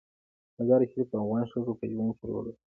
مزارشریف د افغان ښځو په ژوند کې رول لري.